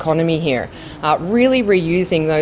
benar benar mengganti bagi konsumen plastik